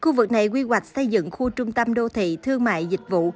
khu vực này quy hoạch xây dựng khu trung tâm đô thị thương mại dịch vụ